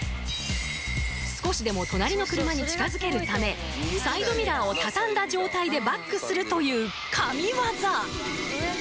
少しでも隣の車に近づけるためサイドミラーを畳んだ状態でバックするという神業！